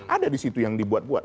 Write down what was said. ada di situ yang dibuat buat